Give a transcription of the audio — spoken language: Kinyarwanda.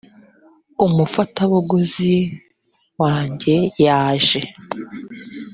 umufatabuguzi wanjye yaje